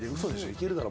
いけるだろ。